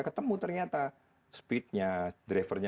ketemu ternyata speednya drivernya